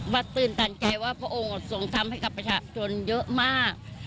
ตื่นตันใจว่าพระองค์ทรงทำให้กับประชาชนเยอะมาก